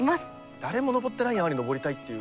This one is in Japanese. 誰も登ってない山に登りたいっていう